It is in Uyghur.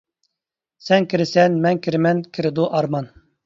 سەن كىرىسەن مەن كىرىمەن كىرىدۇ ئارمان.